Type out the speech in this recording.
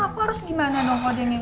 aku harus gimana dong kalau dia ngeyel